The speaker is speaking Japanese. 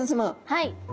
はい。